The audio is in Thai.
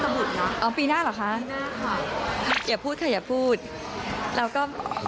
บุตรนะอ๋อปีหน้าเหรอคะปีหน้าค่ะอย่าพูดค่ะอย่าพูดเราก็